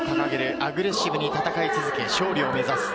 アグレッシブに戦い続け、勝利を目指す。